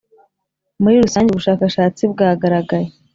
Muri rusange ubu bushakashatsi bwagaragaye